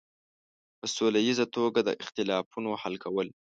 په سوله ییزه توګه د اختلافونو حل کول.